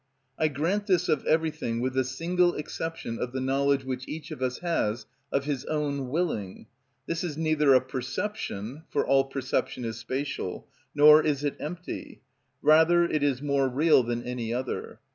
I grant this of everything, with the single exception of the knowledge which each of us has of his own willing: this is neither a perception (for all perception is spatial) nor is it empty; rather it is more real than any other.